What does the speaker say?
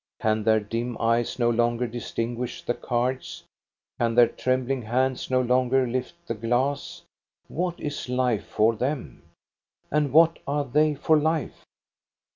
Can their dim eyes no longer distinguish the cards, can their trembling hands no longer lift the glass, what is life for them, and what are they for life